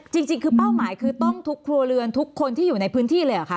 จริงคือเป้าหมายคือต้องทุกครัวเรือนทุกคนที่อยู่ในพื้นที่เลยเหรอคะ